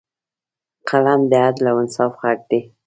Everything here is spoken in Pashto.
قلم د عدل او انصاف غږ دی